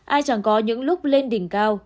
ai chẳng có những lúc lên đỉnh cao